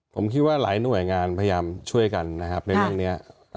ผมคิดว่าหลายหน่วยงานพยายามช่วยกันนะครับในเรื่องนี้